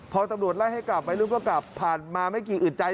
พอตำรวจไล่ให้กลับวัยรุ่นก็กลับผ่านมาไม่กี่อึดใจ